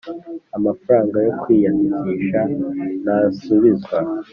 Amafaranga yo kwiyandikisha ntasubizwa